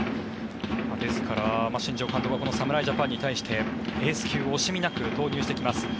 ですから新庄監督は侍ジャパンに対してエース級を惜しみなく投入してきます。